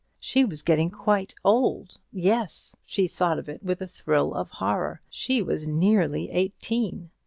She was getting quite old; yes she thought of it with a thrill of horror she was nearly eighteen!